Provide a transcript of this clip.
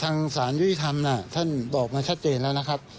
สารยุติธรรมท่านบอกมาชัดเจนแล้วนะครับ